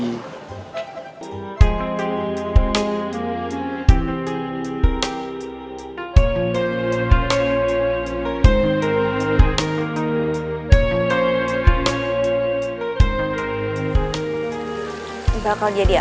karena lo yang bakal jadi